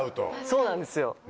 そうなんですよ。